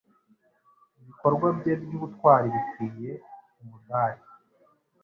Ibikorwa bye by'ubutwari bikwiye umudari.